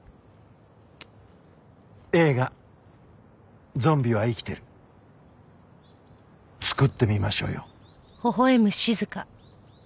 映画『ゾンビは生きている』作ってみましょうよ。